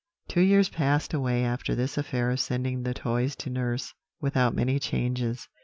"Two years passed away after this affair of sending the toys to nurse, without many changes.